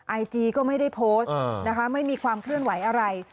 ไอจีก็ไม่ได้โพสต์นะคะไม่มีความเคลื่อนไหวอะไร